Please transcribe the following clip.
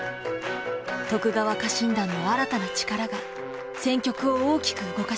徳川家臣団の新たな力が戦局を大きく動かします。